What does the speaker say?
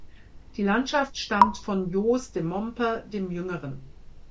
Die Landschaft stammt von Joos de Momper dem Jüngeren.